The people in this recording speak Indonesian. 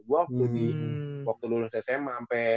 waktu lulus sma sampe